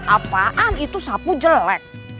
apaan itu sapu jelek